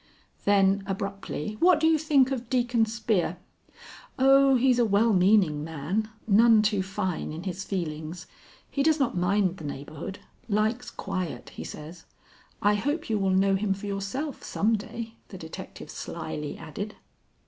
Then abruptly: "What do you think of Deacon Spear?" "Oh, he's a well meaning man, none too fine in his feelings. He does not mind the neighborhood; likes quiet, he says. I hope you will know him for yourself some day," the detective slyly added.